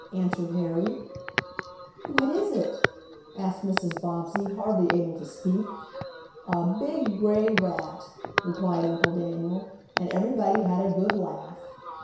answered Harry. "What is it?" asked Mrs. Bobbsey, hardly able to speak. "A big gray rat," replied Uncle Daniel, and everybody had a good laugh.